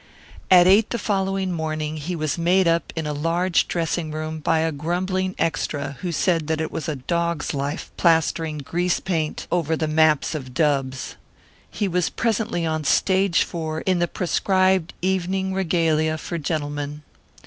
At eight the following morning he was made up in a large dressing room by a grumbling extra who said that it was a dog's life plastering grease paint over the maps of dubs. He was presently on Stage Four in the prescribed evening regalia for gentlemen.